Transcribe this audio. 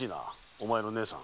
お前の姉さんは。